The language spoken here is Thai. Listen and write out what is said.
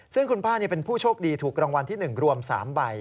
ซึ่งคุณป้าเป็นผู้โชคดีถูกรางวัลที่๑รวม๓ใบ